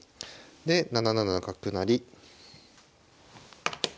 で７七角成。